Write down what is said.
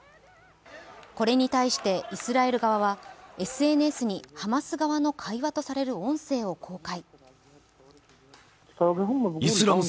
これに対してイスラエル側はＳＮＳにハマス側の会話とされる音声を公開。